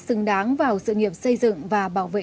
xứng đáng vào sự nghiệp xây dựng và bảo vệ